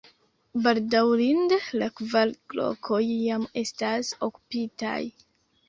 Bedaŭrinde la kvar lokoj jam estas okupitaj.